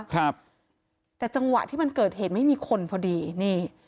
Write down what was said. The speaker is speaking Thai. ครับแต่จังหวะที่มันเกิดเหตุไม่มีคนพอดีนี่